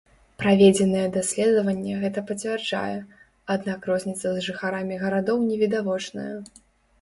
Праведзенае даследаванне гэта пацвярджае, аднак розніца з жыхарамі гарадоў не відавочная.